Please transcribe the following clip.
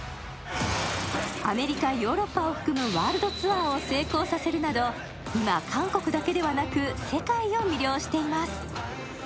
アメリカ、ヨーロッパを含むワールドツアーを成功させるなど今、韓国だけではなく世界を魅了しています。